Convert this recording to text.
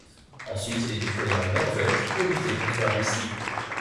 Ensuite, il est déployé en Norvège pour lutter contre la Russie.